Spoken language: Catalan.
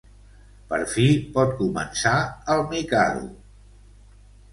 Per fi pot començar "El Mikado".